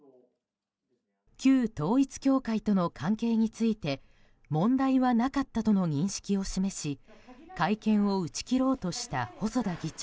旧統一教会との関係について問題はなかったとの認識を示し会見を打ち切ろうとした細田議長。